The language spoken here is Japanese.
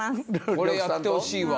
これやってほしいわ。